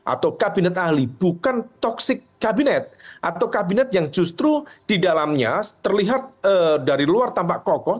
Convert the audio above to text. atau kabinet ahli bukan toksik kabinet atau kabinet yang justru di dalamnya terlihat dari luar tampak kokoh